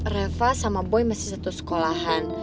reva sama boy masih satu sekolahan